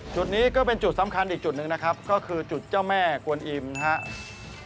จุดนี้ก็เป็นจุดสำคัญอีกจุดหนึ่งนะครับก็คือจุดเจ้าแม่กวนอิมนะครับ